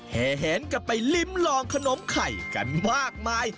แหนกลับไปลิ้มลองขนมไข่กันมากมาย